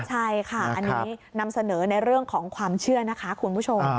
ใช่ค่ะอันนี้นำเสนอในเรื่องของความเชื่อนะคะคุณผู้ชม